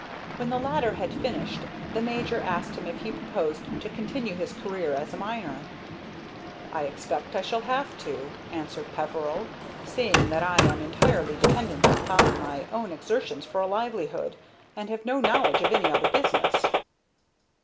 When the latter had finished, the major asked him if he proposed to continue his career as a miner. "I expect I shall have to," answered Peveril, "seeing that I am entirely dependent upon my own exertions for a livelihood, and have no knowledge of any other business."